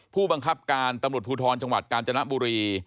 ผู้บังคับการตำรวจภูทรจังหวัดกาญจนบุรี